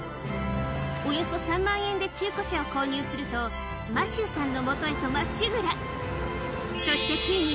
およそ３万円で中古車を購入すると、マシューさんのもとへとまっしぐら。